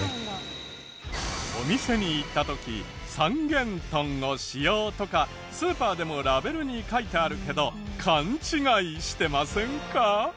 お店に行った時「三元豚を使用」とかスーパーでもラベルに書いてあるけど勘違いしてませんか？